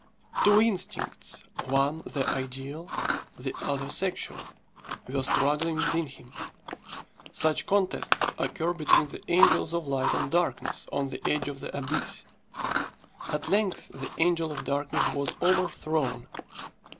Two instincts one the ideal, the other sexual were struggling within him. Such contests occur between the angels of light and darkness on the edge of the abyss. At length the angel of darkness was overthrown.